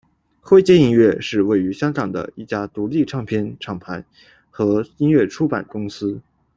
灰阶音乐是位于香港的一家独立唱片厂牌和音乐出版公司。